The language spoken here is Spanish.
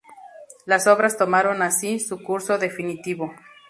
Las obras tomaron así, su curso definitivo.